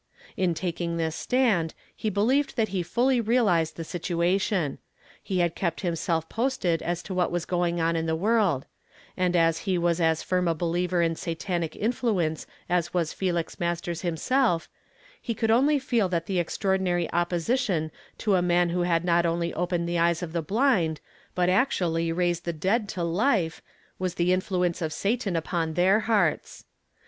In taking this stand, lie believed that he fully realized the situation. He had kept himself posted as ^0 what was going on in the world ; and as he was as firm a believer in Satanic influence as was Felix Masters himself, he could only feel that the extraordinary opposition to a man who had not only opened the eyes of the blind, but actually raised the dead to life, was the influence of Satan upon their hearts.